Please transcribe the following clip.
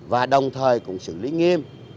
và đồng thời cũng xử lý nghiêm